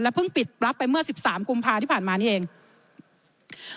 และพึ่งปิดรับนานที่๑๓กุมภาพื้นครั้งนี้